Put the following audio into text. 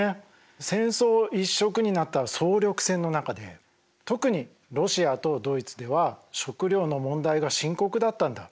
戦争一色になった総力戦の中で特にロシアとドイツでは食料の問題が深刻だったんだ。